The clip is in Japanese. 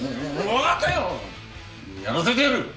やらせてやる。